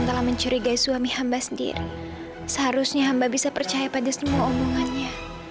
sampai jumpa di video selanjutnya